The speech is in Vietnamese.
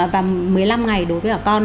và một mươi năm ngày đối với con